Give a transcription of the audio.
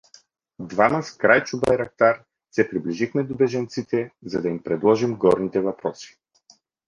Двама с Крайчо Байрактар се приближихме до бежанците, за да им предложим горните въпроси.